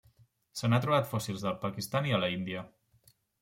Se n'han trobat fòssils al Pakistan i a l'Índia.